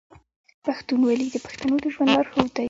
پښتونولي د پښتنو د ژوند لارښود دی.